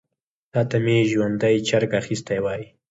تا ته به مي ژوندی چرګ اخیستی وای .